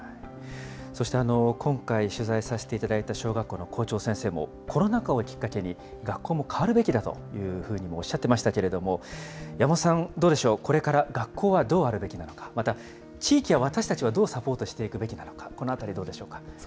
そして、今回、取材させていただいた小学校の校長先生も、コロナ禍をきっかけに学校も変わるべきだというふうにもおっしゃってましたけれども、山本さん、どうでしょう、これから学校はどうあるべきなのか、また地域や私たちはどうサポートしていくべきなのか、このあたりどうでしょうか。